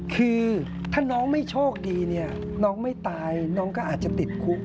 คือถ้าน้องไม่โชคดีเนี่ยน้องไม่ตายน้องก็อาจจะติดคุก